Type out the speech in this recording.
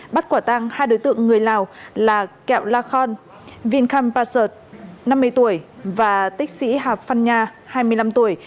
bắt quả tăng hai đối tượng người lào là kẹo la khon vinh kham pasut năm mươi tuổi và tích sĩ hạp phan nha hai mươi năm tuổi